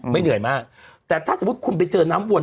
เหนื่อยมากแต่ถ้าสมมุติคุณไปเจอน้ำวน